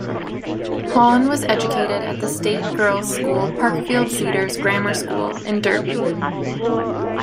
Hann was educated at the state girls' school Parkfield Cedars Grammar School in Derby.